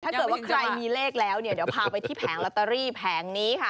ถ้าเกิดว่าใครมีเลขแล้วเนี่ยเดี๋ยวพาไปที่แผงลอตเตอรี่แผงนี้ค่ะ